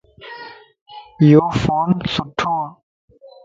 يو فون سھڻوَ